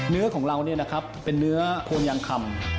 เนื้อของเราเนี่ยนะครับเป็นเนื้อโพนยางคำ